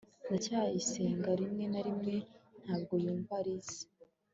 ndacyayisenga rimwe na rimwe ntabwo yumva alice